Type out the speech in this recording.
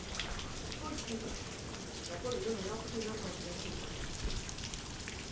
一息ついたらやっぱり言うの嫌って気になるかもしれないよ。